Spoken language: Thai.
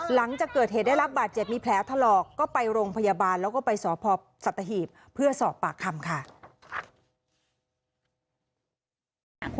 หลังจากเกิดเหตุได้รับบาดเจ็ดมีแพ้ทะเลาะ